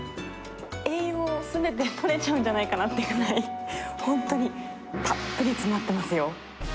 栄養をすべてとれちゃうんじゃないかなっていうぐらい、本当にたっぷり詰まってますよ。